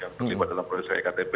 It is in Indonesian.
yang terlibat dalam proses ektp